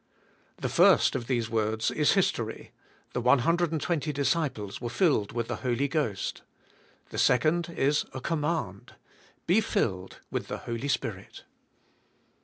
The first of these words is history; the 120 disciples were filled with the Holy Ghost. The second is a command — "Be filled with the Holy Spirit."